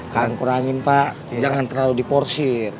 kalian kurangin pak jangan terlalu diporsir